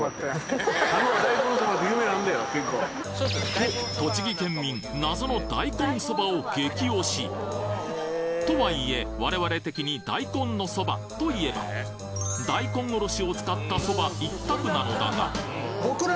と栃木県民とはいえ我々的に大根のそばといえば大根おろしを使ったそば一択なのだが千切り？